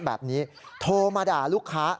แบบนี้โทรมาด่าลูกค้า